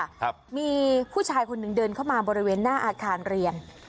ครับมีผู้ชายคนหนึ่งเดินเข้ามาบริเวณหน้าอาคารเรียน